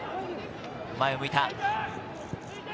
前を向いた。